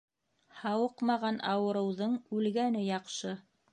Һауыҡмаған ауырыуҙың үлгәне яҡшы.